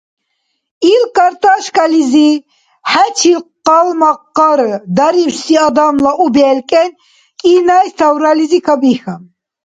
Ил картошкализи хӀечил къалмакъар дарибси адамла у белкӀен, кӀинайс таврализи кабихьа.